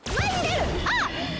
あっ！